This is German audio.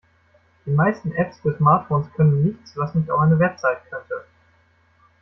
Die meisten Apps für Smartphones können nichts, was nicht auch eine Website könnte.